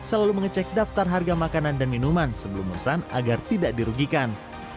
selalu mengecek daftar harga makanan dan minuman sebelum memesan agar tidak dirugikan